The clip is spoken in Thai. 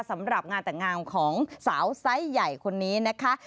สำหรับงานแต่งงานของสาวไซส์ใหญ่คนนี้นะคะ